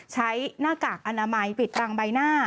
หน้ากากอนามัยปิดรางใบหน้า